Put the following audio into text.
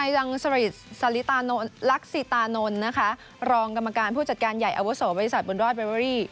ยังสริสริตานนท์รองกรรมการผู้จัดการใหญ่อวโสวัยบริษัทบนรอดเบเวอรี่